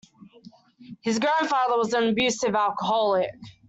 His grandfather was an abusive alcoholic.